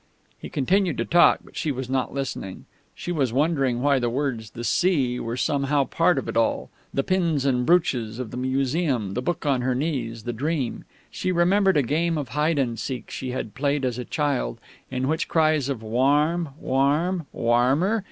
He continued to talk, but she was not listening. She was wondering why the words "the sea" were somehow part of it all the pins and brooches of the Museum, the book on her knees, the dream. She remembered a game of hide and seek she had played as a child, in which cries of "Warm, warm, warmer!"